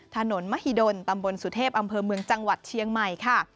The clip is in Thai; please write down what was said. ถนนมหิดลตำบลสุเทพอำเภอเมืองจังหวัดเชียงใหม่ค่ะ